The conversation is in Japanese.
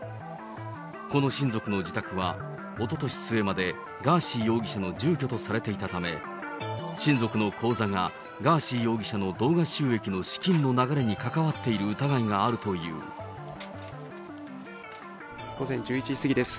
この親族の自宅は、おととし末までガーシー容疑者の住居とされていたため、親族の口座がガーシー容疑者の動画収益の資金の流れに関わってい午前１１時過ぎです。